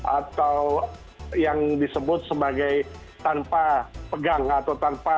atau yang disebut sebagai tanpa pegang atau tanpa